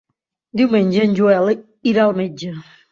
Diumenge en Joel irà al metge.